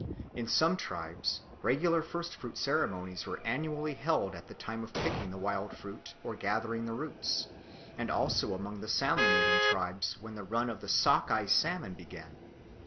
In some tribes regular First fruit ceremonies were annually held at the time of picking the wild fruit or gathering the roots, and also among the salmon eating tribes when the run of the 'sockeye' salmon began.